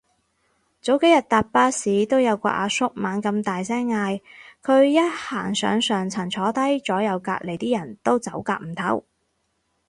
早幾日搭巴士都有個阿叔猛咁大聲嗌，佢一行上上層坐低，左右隔離啲人走夾唔唞